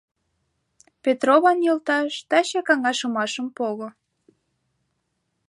— Петрован йолташ, таче каҥашымашым пого.